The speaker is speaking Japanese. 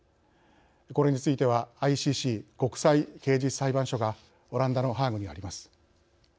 これについてはＩＣＣ＝国際刑事裁判所がオランダのハーグにあります。